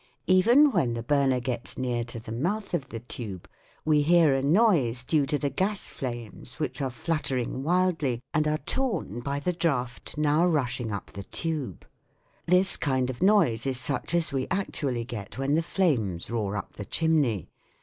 Even when the burner gets near to the mouth of the tube we hear a noise due to the gas flames which are fluttering wildly and are torn by the draught now rushing up the tube ; this kind of noise is such as we actually get when the 9 6 THE WORLD OF SOUND FIG. 50. flames roar up the chimney.